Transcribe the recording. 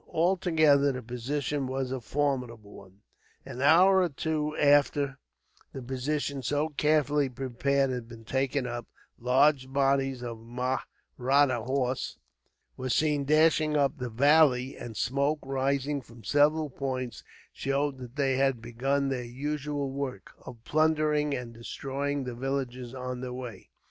Altogether, the position was a formidable one. An hour or two after the position so carefully prepared had been taken up, large bodies of Mahratta horse were seen dashing up the valley, and smoke rising from several points showed that they had begun their usual work, of plundering and destroying the villages on their way.